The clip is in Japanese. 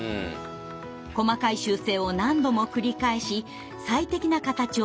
細かい修正を何度も繰り返し最適な形を追求しました。